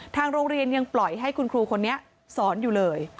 ทางโรงเรียนยังปล่อยให้คุณครูคนนี้สอนอยู่เลย